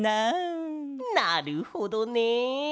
なるほどね。